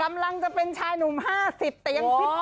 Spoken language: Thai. กำลังจะเป็นชายหนุ่ม๕๐แต่ยังคิด